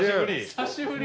久しぶり。